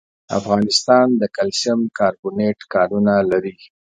افغانستان د کلسیم کاربونېټ کانونه لري.